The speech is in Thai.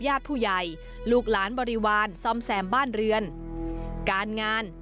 ญาติผู้ใหญ่ลูกหลานบริวารซ่อมแซมบ้านเรือนการงาน